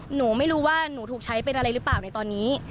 หนูไม่รู้ว่าหนูถูกใช้เป็นอะไรหรือเปล่าในตอนนี้